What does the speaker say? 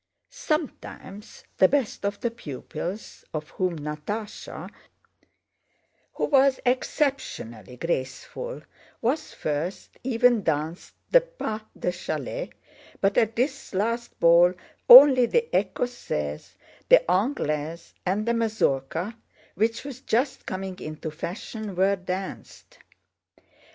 Sometimes the best of the pupils, of whom Natásha, who was exceptionally graceful, was first, even danced the pas de châle, but at this last ball only the écossaise, the anglaise, and the mazurka, which was just coming into fashion, were danced.